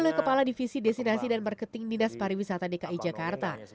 oleh kepala divisi destinasi dan marketing dinas pariwisata dki jakarta